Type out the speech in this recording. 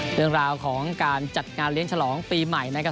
เรื่องราวของการจัดงานเลี้ยงฉลองปีใหม่นะครับ